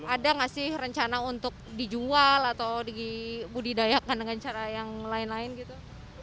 ada nggak sih rencana untuk dijual atau dibudidayakan dengan cara yang lain lain gitu